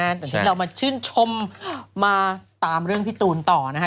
แต่ที่เรามาชื่นชมมาตามเรื่องพี่ตูนต่อนะคะ